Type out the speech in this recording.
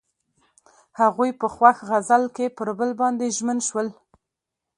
هغوی په خوښ غزل کې پر بل باندې ژمن شول.